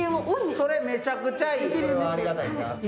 それ、めちゃくちゃいい。